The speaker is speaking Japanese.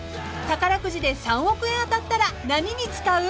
［宝くじで３億円当たったら何に使う？］